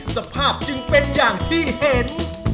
สภาพจึงเป็นอย่างที่เห็น